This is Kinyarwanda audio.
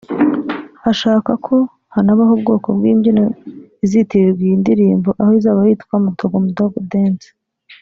ashaka ko hanabaho ubwoko bw’ imbyino izitirirwa iyi ndirimbo aho izaba yitwa Mdogo Mdogo Dance